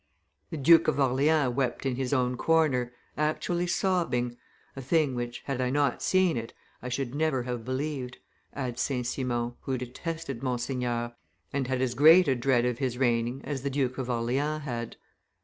The Duke of Orleans wept in his own corner, actually sobbing, a thing which, had I not seen it, I should never have believed," adds St. Simon, who detested Monseigneur, and had as great a dread of his reigning as the Duke of Orleans had.